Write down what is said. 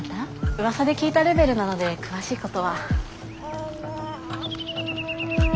うわさで聞いたレベルなので詳しいことは。